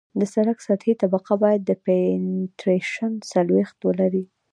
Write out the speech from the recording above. د سرک سطحي طبقه باید پینټریشن څلوېښت ولري